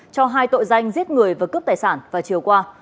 cho hai tội danh giết người và cướp tài sản vào chiều qua